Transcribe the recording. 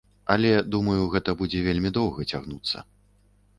Але думаю, гэта будзе вельмі доўга цягнуцца.